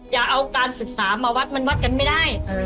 อย่าเอาการศึกษามาวัดมันวัดกันไม่ได้